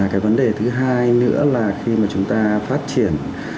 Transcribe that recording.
cái vấn đề thứ hai nữa là khi mà chúng ta phát triển